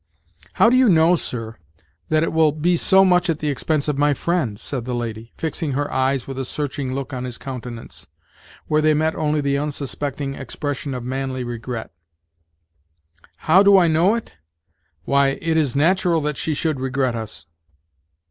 "How do you know, sir, that it will be so much at the expense of my friend?" said the lady, fixing her eyes with a searching look on his countenance, where they met only the unsuspecting expression of manly regret. "How do I know it? Why, it is natural that she should regret us."